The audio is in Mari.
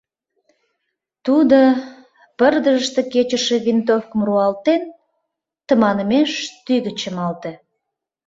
Тудо, пырдыжыште кечыше винтовкым руалтен, тыманмеш тӱгӧ чымалте.